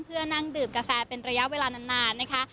เพื่อนั่งดื่มกาแฟเป็นระยะเวลานานนะคะ